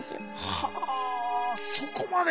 はあそこまで！